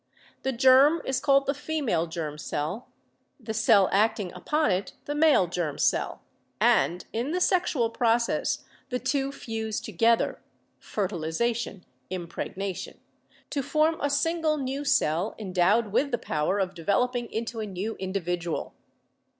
The germ is called the female germ cell, the cell acting upon it the male germ cell, and in the sexual process the two fuse together (fertilization, impregna tion) to form a single new cell endowed with the power of developing into a new individual.